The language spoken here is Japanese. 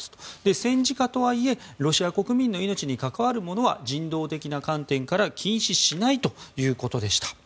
戦時下とはいえロシア国民の命に関わるものは人道的観点から禁止しないということでした。